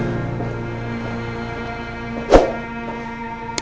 aku kehilangan kamu mak